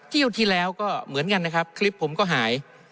เที่ยวที่แล้วก็เหมือนกันนะครับคลิปผมก็หาย